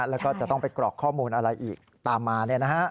แล้วก็จะต้องไปกรอกข้อมูลอะไรอีกตามมา